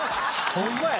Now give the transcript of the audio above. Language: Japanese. ホンマや。